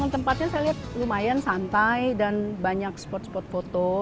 tempatnya saya lihat lumayan santai dan banyak spot spot foto